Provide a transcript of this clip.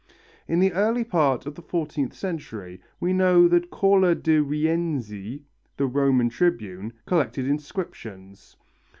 In the early part of the 14th century we know that Cola di Rienzi, the Roman Tribune, collected inscriptions.